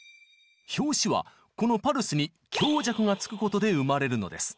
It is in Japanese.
「拍子」はこのパルスに強弱がつくことで生まれるのです。